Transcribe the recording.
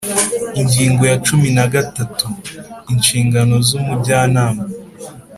Ingingo ya cumi na gatatu: Inshingano z’Umujyanama